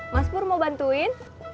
mas pur mau bantuin